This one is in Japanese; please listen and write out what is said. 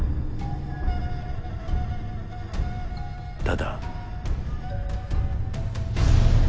ただ。